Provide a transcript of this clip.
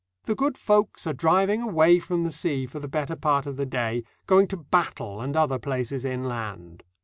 The good folks are driving away from the sea for the better part of the day, going to Battle and other places inland.